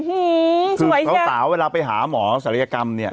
คือเช้าป่าวเวลาไปหาหมอศัยรายกรรมเนี่ย